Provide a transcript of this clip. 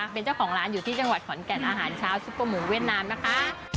เป็นเจ้าของร้านอยู่ที่จังหวัดขอนแก่นอาหารเช้าซุปเปอร์หมูเวียดนามนะคะ